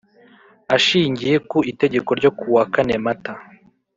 Ashingiye ku Itegeko ryo kuwa kane mata